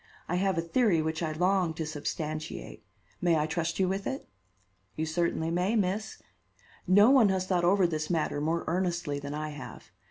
I have a theory which I long to substantiate. May I trust you with it?" "You certainly may, Miss. No one has thought over this matter more earnestly than I have.